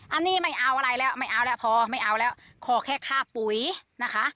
อันนี้ไม่เอาอะไรแล้วไม่เอาแล้วพอไม่เอาแล้วขอแค่ค่าปุ๋ยนะคะ